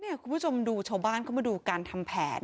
คุณผู้ชมดูชาวบ้านเข้ามาดูการทำแผน